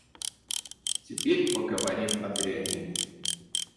Теперь поговорим о дряни.